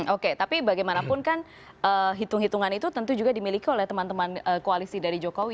oke tapi bagaimanapun kan hitung hitungan itu tentu juga dimiliki oleh teman teman koalisi dari jokowi